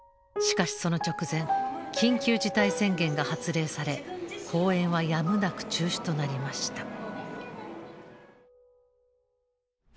しかしその直前緊急事態宣言が発令され公演はやむなく中止となりました。